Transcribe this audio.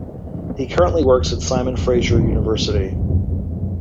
He currently works at Simon Fraser University.